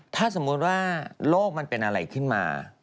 ถ้าสมมุติว่าโลกมันเป็นอะไรขึ้นมา